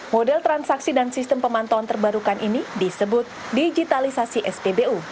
model transaksi dan sistem pemantauan terbarukan ini disebut digitalisasi spbu